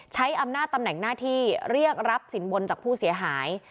ใช้อำนาจตำแหน่งหน้าที่เรียกรับสินบนจากผู้เสียหาย